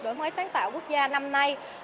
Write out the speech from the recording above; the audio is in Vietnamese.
đổi mới sáng tạo quốc gia năm nay